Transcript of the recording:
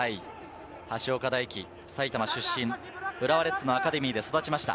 橋岡大樹、埼玉出身、浦和レッズのアカデミーで育ちました。